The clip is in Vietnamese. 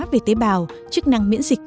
về tế bào chức năng miễn dịch